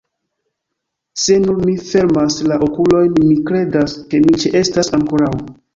Se nur mi fermas la okulojn, mi kredas, ke mi ĉeestas ankoraŭ.